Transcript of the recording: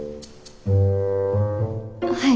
はい。